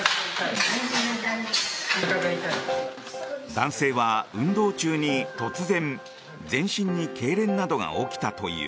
男性は運動中に突然、全身にけいれんなどが起きたという。